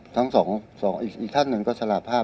ทั้งสองอีกท่านหนึ่งก็สารภาพ